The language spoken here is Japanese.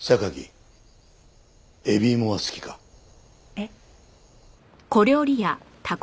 えっ？